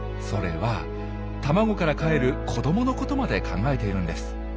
それは卵からかえる子どものことまで考えているんです。